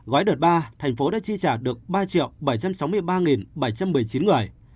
gói đợt ba thành phố đã chi trả được ba bảy trăm sáu mươi ba bảy trăm một mươi chín người